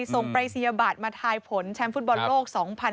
ส่งไปสียะบัดมาทายผลแชมป์ฟุตบอลโลก๒๐๑๘